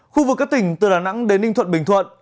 khu vực các tỉnh từ đà nẵng đến ninh thuận bình thuận